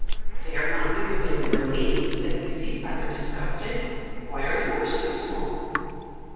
"They are not bigger than your maid's," said Lucy, rather disgusted. "Why are yours so small?"